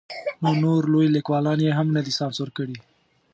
نو نور لوی لیکوالان یې هم نه دي سانسور کړي.